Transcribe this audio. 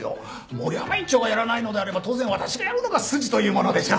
森山院長がやらないのであれば当然私がやるのが筋というものでしょ。